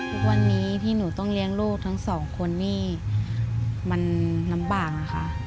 ทุกวันนี้ที่หนูต้องเลี้ยงลูกทั้งสองคนนี่มันลำบากนะคะ